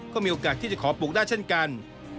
ก็มีโอกาสที่จะขอปลูกได้เช่นกัน